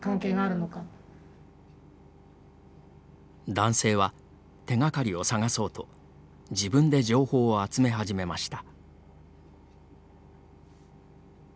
男性は、手がかりを探そうと自分で情報を集め始めました。